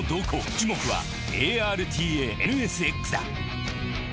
注目はＡＲＴＡＮＳＸだ。